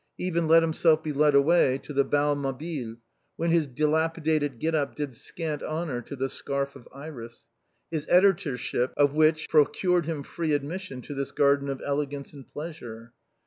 He even let himself be led away to the Bal Mabille, where his dilapidated get up did scant honor to " The Scarf of Iris," his editorship of which produced him free admission to this garden of elegance and pleasure.